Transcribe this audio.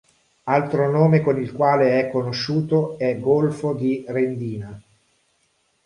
Altro nome con il quale è conosciuto è golfo di Rendina.